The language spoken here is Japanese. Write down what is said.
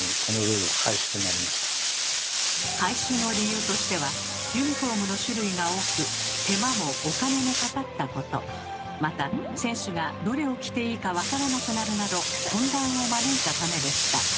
廃止の理由としてはユニフォームの種類が多くまた選手がどれを着ていいかわからなくなるなど混乱を招いたためでした。